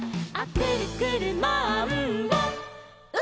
「くるくるマンボウ！」